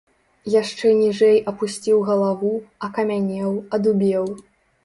Яшчэ ніжэй апусціў галаву, акамянеў, адубеў.